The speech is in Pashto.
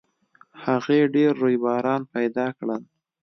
هغې ډېر رویباران پیدا کړل